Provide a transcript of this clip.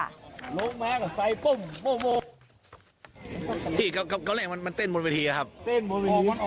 เฮียกำแหล่งมันเต้นบนประเทียครับเต้นบนพื้นิน